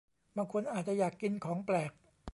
บางคนอาจจะอยากกินของแปลก